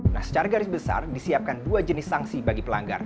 nah secara garis besar disiapkan dua jenis sanksi bagi pelanggar